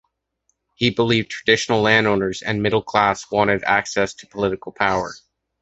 He believed traditional landowners and the middle class wanted access to political power.